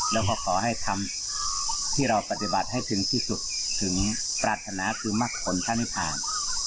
แล้วก็ขอให้ทำที่เราปฏิบัติให้ถึงที่สุดถึงปรารถนาคือมักผลท่านนิษฐาน